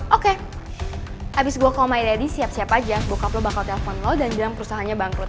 oke abis gue call my daddy siap siap aja bokap lo bakal telpon lo dan bilang perusahaannya bangkrut